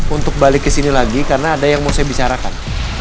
untuk balik ke sini lagi karena ada yang mau saya bicarakan